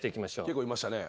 結構いましたね。